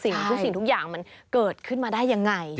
รู้สึกทุกอย่างมันเกิดขึ้นมาได้อย่างไร